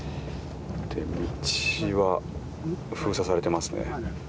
道は封鎖されていますね。